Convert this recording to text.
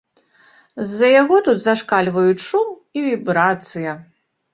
З-за яго тут зашкальваюць шум і вібрацыя.